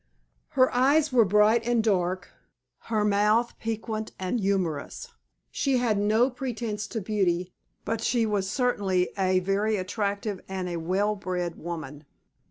Her eyes were bright and dark, her mouth piquant and humorous. She had no pretence to beauty, but she was certainly a very attractive and a very well bred woman.